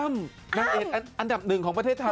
นางเอกอันดับหนึ่งของประเทศไทย